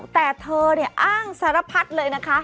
แต่เธออ้างสารพัดเลยนะคะ